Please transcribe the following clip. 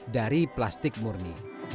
dari plastik murni